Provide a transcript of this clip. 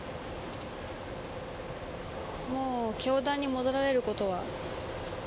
もう教壇に戻られる事は？